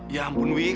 ya ampun wih